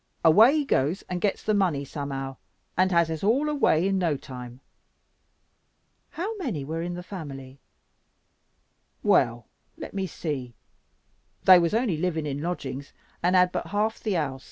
Away he goes and gets the money somehow, and has us all away in no time." "How many were there in the family?" "Well, let me see. They was only living in lodgings, and had but half the house.